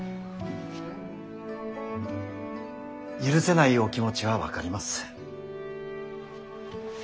許せないお気持ちは分かります。